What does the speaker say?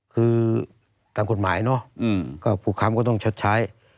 คือตามกฎหมายเนอะก็ผู้ค้ำก็ต้องชดใช้